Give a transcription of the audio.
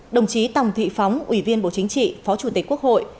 đồng chí tòng thị phóng ủy viên bộ chính trị phó chủ tịch quốc hội